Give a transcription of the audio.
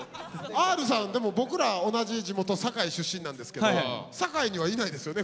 Ｒさんでも僕ら同じ地元堺出身なんですけど堺にはいないですよね。